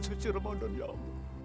suci ramadan ya allah